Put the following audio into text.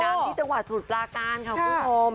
ดูดิน้ำที่จังหวัดสุดปลาการค่ะคุณคม